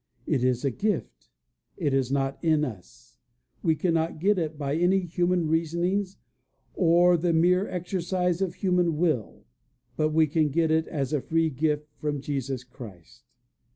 It is a gift. It is not in us. We cannot get it by any human reasonings or the mere exercise of human will, but we can get it as a free gift from Jesus Christ.